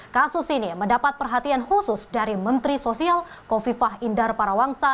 kasus ini mendapat perhatian khusus dari menteri sosial kofifah indar parawangsa